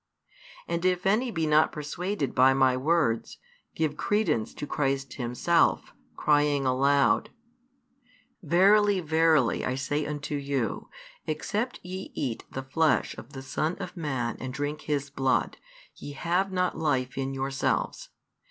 And if any be not persuaded by my words, give credence to Christ Himself, crying aloud: Verily, verily, I say unto you, except ye eat the Flesh of the Son of Man and drink His Blood, ye have not life in yourselves.